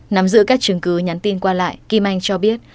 nằm giữa các chứng cứ nhắn tin qua lại kim anh cho biết